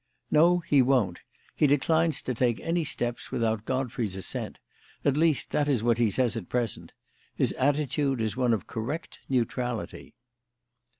"No, he won't. He declines to take any steps without Godfrey's assent at least, that is what he says at present. His attitude is one of correct neutrality."